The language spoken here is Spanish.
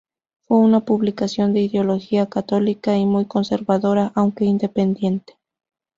Fue una publicación de ideología católica y muy conservadora, aunque independiente.